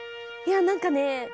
何かね